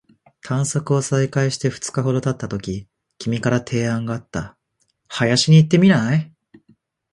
探索を再開して二日ほど経ったとき、君から提案があった。「林に行ってみない？」